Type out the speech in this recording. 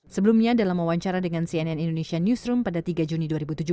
sebelumnya dalam mewawancara dengan cnn indonesia newsroom pada tiga juni